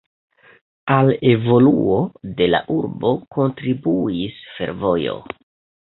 Al evoluo de la urbo kontribuis fervojo.